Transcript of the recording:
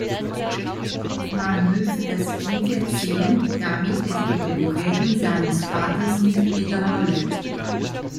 Man müsse das Kind erziehen, damit es die Verbrechen seines Vaters nicht wiederhole.